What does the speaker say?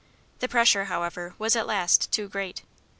The pressure, however, was at last too great.